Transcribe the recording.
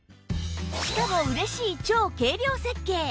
しかも嬉しい超軽量設計！